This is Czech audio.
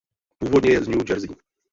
Původně je z New Jersey.